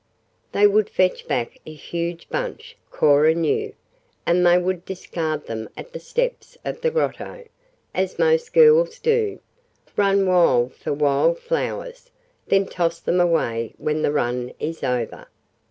They would fetch back a huge bunch, Cora knew, and they would discard them at the steps of the Grotto, as most girls do run wild for wild flowers, then toss them away when the run is over.